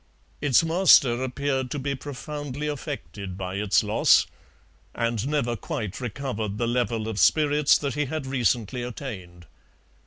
Its master appeared to be profoundly affected by its loss, and never quite recovered the level of spirits that he had recently attained.